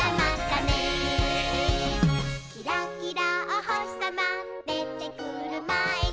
「キラキラおほしさまでてくるまえに」